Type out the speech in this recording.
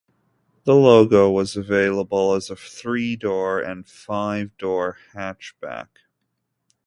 The Logo was available as a three-door and five-door hatchback.